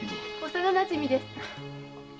幼なじみです。